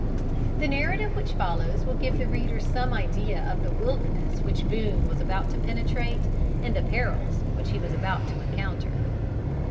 The narrative which follows will give the reader some idea of the wilderness which Boone was about to penetrate and the perils which he was to encounter.